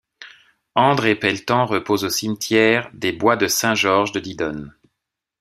André Pelletan repose au cimetière des Bois de Saint-Georges-de-Didonne.